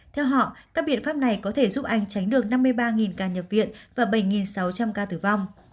theo họ các biện pháp này có thể giúp anh tránh được năm mươi ba ca nhập viện và bảy sáu trăm linh ca tử vong